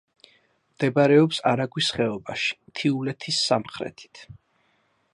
მდებარეობს არაგვის ხეობაში, მთიულეთის სამხრეთით.